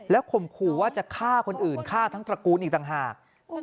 ข่มขู่ว่าจะฆ่าคนอื่นฆ่าทั้งตระกูลอีกต่างหาก